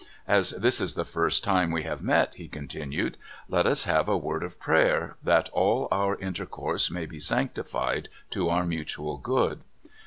"x\s this is the first time we have met," he continued, " let us have a word of prayer, that all our inter course may be sanctified to our mutual good."